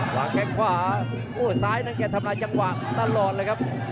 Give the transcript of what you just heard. แข้งขวาโอ้ซ้ายนั้นแกทำลายจังหวะตลอดเลยครับ